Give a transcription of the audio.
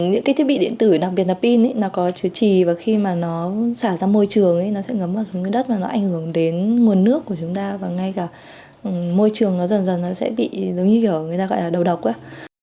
những cái thiết bị điện tử đặc biệt là pin nó có chứa trì và khi mà nó xả ra môi trường thì nó sẽ ngấm vào đất và nó ảnh hưởng đến nguồn nước của chúng ta và ngay cả môi trường nó dần dần nó sẽ bị giống như kiểu người ta gọi là đầu độc